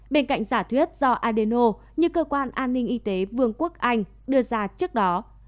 bên cạnh giả thuyết do adeno như cơ quan an ninh y tế vương quốc anh đưa ra trước đó